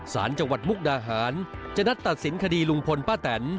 สารจังหวัดมุกดาหารจะนัดตัดสินคดีลุงพลป้าแตน